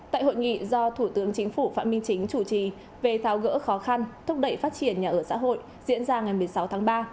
tại hội nghị do thủ tướng chính phủ phạm minh chính chủ trì về tháo gỡ khó khăn thúc đẩy phát triển nhà ở xã hội diễn ra ngày một mươi sáu tháng ba